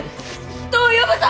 人を呼ぶぞ！